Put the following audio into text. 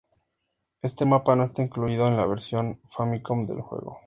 Este mapa no está incluido en la versión Famicom del juego.